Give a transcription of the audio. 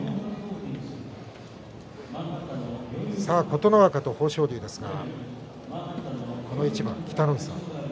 琴ノ若と豊昇龍ですがこの一番、北の富士さん